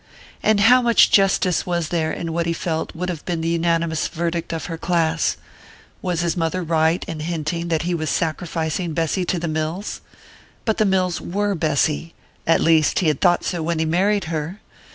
And how much justice was there in what he felt would have been the unanimous verdict of her class? Was his mother right in hinting that he was sacrificing Bessy to the mills? But the mills were Bessy at least he had thought so when he married her!